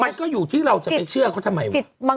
มันก็อยู่ที่เราจะไปเชื่อเขาทำไมวะ